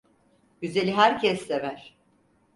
Güzeli herkes sever.